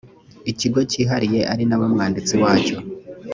ikigo cyihariye ari na we mwanditsi wayo